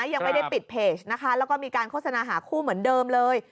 ยังไม่ได้ปิดเพจนะคะแล้วก็มีการโฆษณาหาคู่เหมือนเดิมเลย